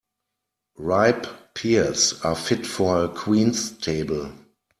Ripe pears are fit for a queen's table.